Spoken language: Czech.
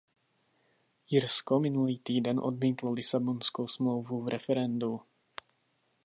Irsko minulý týden odmítlo Lisabonskou smlouvu v referendu.